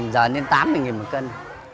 giờ lên tám mươi một cân